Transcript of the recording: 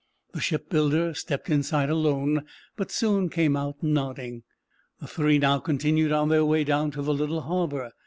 The shipbuilder stepped inside alone, but soon came out, nodding. The three now continued on their way down to the little harbor.